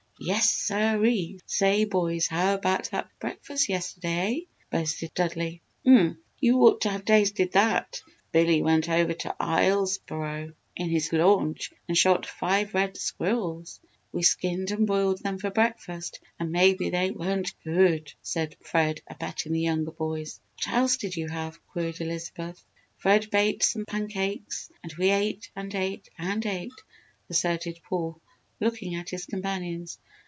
"Yes siree! Say, boys, how about that breakfast yesterday, eh?" boasted Dudley. "Umph! You ought to have tasted that! Billy went over to Islesboro in his launch and shot five red squirrels. We skinned and broiled them for breakfast and maybe they weren't good!" said Fred, abetting the younger boys. "What else did you have?" queried Elizabeth. "Fred baked some pancakes and we ate, and ate, and ate!" asserted Paul, looking at his companions.